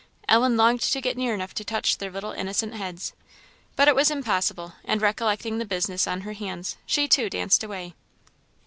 Ellen longed to get near enough to touch their little innocent heads, but it was impossible; and recollecting the business on her hands, she too danced away.